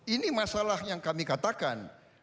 ini masalah yang kami katakan